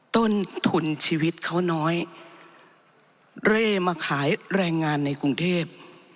ต้นทุนชีวิตเขาน้อยเร่มาขายแรงงานในกรุงเทพ